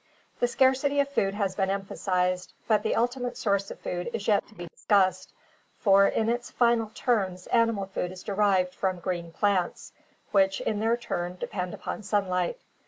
— The scarcity of food has been emphasized, but the ultimate source of food is yet to be discussed, for in its final terms animal food is derived from green plants, which in their turn depend upon sunlight.